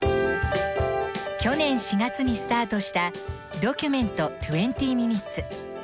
去年４月にスタートした「ドキュメント２０ｍｉｎ」。